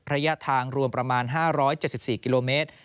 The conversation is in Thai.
ระยะทางรวมประมาณ๕๗๔กิโลเมตร